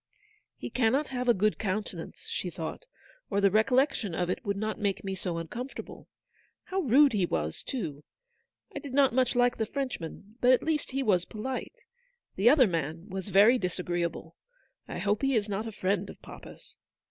"He cannot have a good countenance/' she thought, u or the recollection of it would not make me so uncomfortable. How rude he was, too ! I did not much like the Frenchman, but at least he was polite. The other man was very dis agreeable. I hope he is not a friend of papa's."